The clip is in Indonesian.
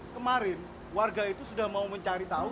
kemarin warga itu sudah mau mencari tahu